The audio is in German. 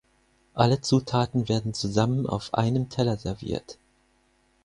Alle Zutaten werden zusammen auf einem Teller serviert.